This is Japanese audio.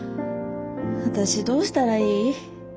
私どうしたらいい？